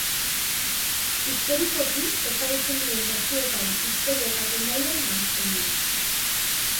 Historikoki ezagutzen diren kasuetan historia eta kondaira nahasten dira.